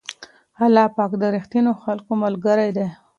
الله پاک د رښتينو خلکو ملګری دی.